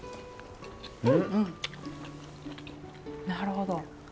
なるほど。